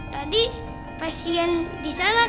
tadi pasien di sana